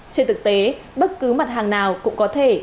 trên thực tế bất cứ mặt hàng nào cũng có thể